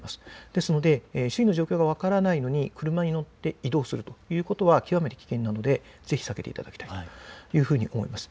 ですので周囲の状況が分からないのに車に乗って移動するということは極めて危険なので、ぜひ避けていただきたいと思います。